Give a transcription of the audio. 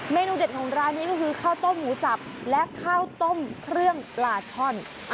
เนนูเด็ดของร้านนี้ก็คือข้าวต้มหมูสับและข้าวต้มเครื่องปลาช่อน